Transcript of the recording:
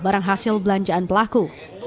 barang hasil belanjaan pelaku